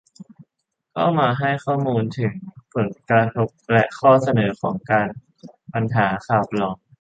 เข้ามาให้ข้อมูลถึงผลกระทบและข้อเสนอของการปัญหาข่าวปลอม